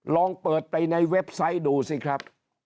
ลองเปิดไปในเว็บไซต์ดูสิครับ